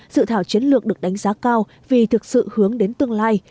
dự thảo chiến lược được đánh giá cao vì thực sự hướng đến tương lai